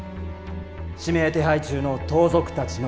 指名手配中の盗賊たちの家。